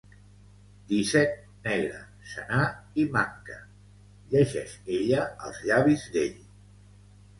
Disset, negre, senar i manca —llegeix ella als llavis d'ell.